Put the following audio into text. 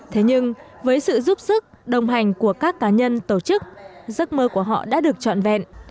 thế nhưng với sự giúp sức đồng hành của các cá nhân tổ chức giấc mơ của họ đã được trọn vẹn